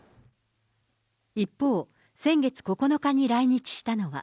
一方、先月９日に来日したのは。